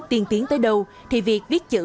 tiên tiến tới đâu thì việc viết chữ